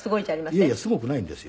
いやいやすごくないんですよ。